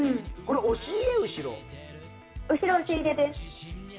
後ろ、押し入れです。